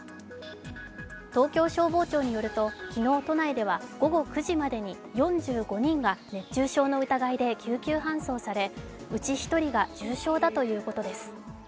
東京消防庁によると昨日、都内では午後９時までに４５人が熱中症の疑いで救急搬送され、うち１人が重症だということです。